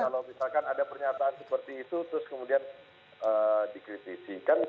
kalau misalkan ada pernyataan seperti itu terus kemudian dikritisi